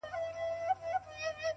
o هسې سترگي پـټـي دي ويــــده نــه ده،